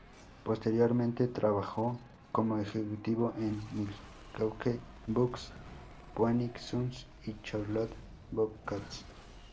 Posteriormente trabajó como ejecutivo en Milwaukee Bucks, Phoenix Suns y Charlotte Bobcats.